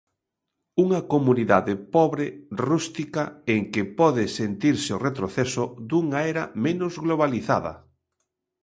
Unha comunidade pobre, rústica, en que pode sentirse o retroceso dunha era menos globalizada.